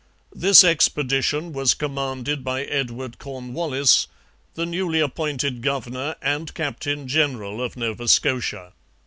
This expedition was commanded by Edward Cornwallis, the newly appointed governor and captain general of Nova Scotia.